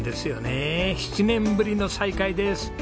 ７年ぶりの再会です。